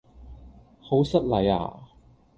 好失禮呀?